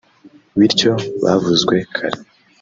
bityo bavuzwe kare